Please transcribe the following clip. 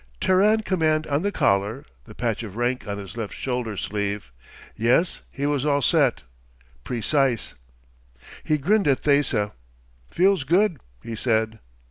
Terran Command on the collar, the patch of rank on his left shoulder sleeve. Yes, he was all set. Precise. He grinned at Thesa. "Feels good," he said.